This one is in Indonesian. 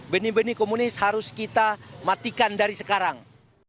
beni beni komunis harus kita matikan dari sekarang